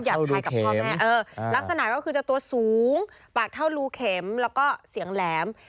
คลายกับพ่อแม่ลักษณะก็คือจะตัวสูงปากเท่ารูเข็มแล้วก็เสียงแหลม